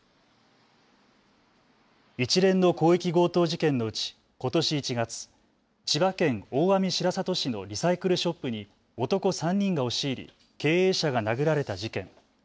一連の広域強盗事件のうちことし１月、千葉県大網白里市のリサイクルショップに男３人が押し入り経営者が殴られた事件。